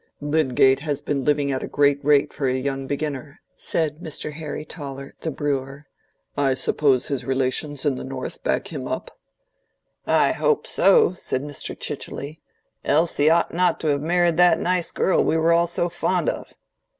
"Lydgate has been living at a great rate for a young beginner," said Mr. Harry Toller, the brewer. "I suppose his relations in the North back him up." "I hope so," said Mr. Chichely, "else he ought not to have married that nice girl we were all so fond of.